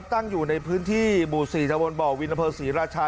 ตั้งอยู่ในพื้นที่บุษรีชะวนบวิณเผอะศรีราชา